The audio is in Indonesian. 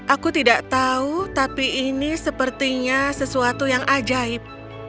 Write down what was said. aku tidak tahu tapi ini sepertinya sesuatu yang ajaib